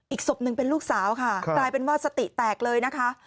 อีกศพหนึ่งเป็นลูกสาวค่ะกลายเป็นว่าสติแตกเลยนะคะ